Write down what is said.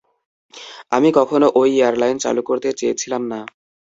আমি কখনো ওই এয়ারলাইন চালু করতে চেয়েছিলাম না।